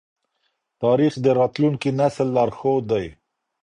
تاریخ د راتلونکي نسل لارښود دی.